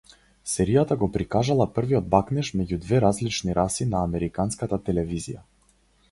Серијата го прикажала првиот бакнеж меѓу две различни раси на американската телевизија.